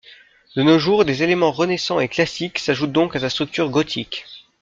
De nos jours des éléments renaissants et classiques s'ajoutent donc à sa structure gothique.